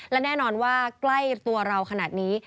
และแน่นอนว่าใกล้ตัวเราขนาดนี้